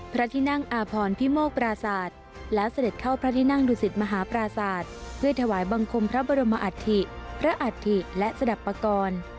พระบรมอัตภิกษ์พระอัตภิกษ์และสดับปกรณ์